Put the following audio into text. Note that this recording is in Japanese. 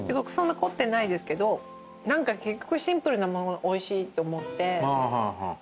そんな凝ってないですけど何か結局シンプルなものおいしいって思って。